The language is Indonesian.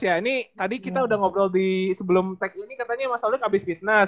ini tadi kita udah ngobrol sebelum ini katanya mas lolik abis fitness